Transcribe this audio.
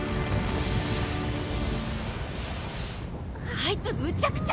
あいつむちゃくちゃ！